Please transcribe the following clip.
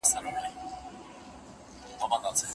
د طلاق ورکوونکي لپاره لومړی شرط څه دی؟